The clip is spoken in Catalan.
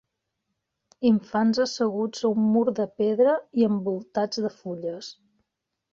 infants asseguts a un mur de pedra i envoltats de fulles